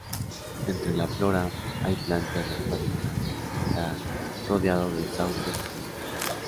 Entre la flora, hay plantas acuáticas, y está rodeado de sauces y pinos.